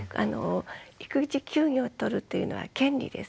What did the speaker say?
育児休業を取るというのは権利です。